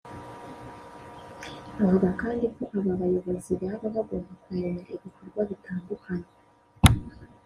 Avuga kandi ko aba bayobozi baba bagomba kumenya ibikorwa bitandukanye